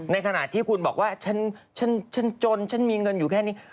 ในขณะที่คุณบอกว่าฉันจนฉันมีเงินอยู่แค่นี้